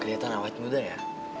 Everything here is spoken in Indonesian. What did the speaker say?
kelihatan awet muda ya